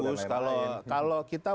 itu sudah bagus kalau kita